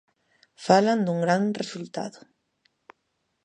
Falan dun gran resultado.